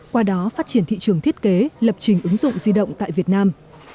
qua đó phát triển thị trường thiết kế lập trình ứng dụng di động tại việt nam